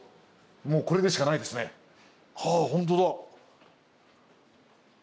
もうこれでしかないですね。はほんとだ。